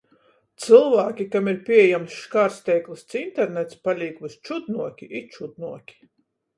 Cylvāki, kam ir pīejams škārsteiklys ci internets, palīk vys čudnuoki i čudnuoki.